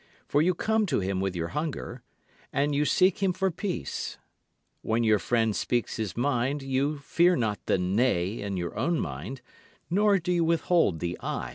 For you come to him with your hunger, and you seek him for peace. When your friend speaks his mind you fear not the "nay" in your own mind, nor do you withhold the "ay."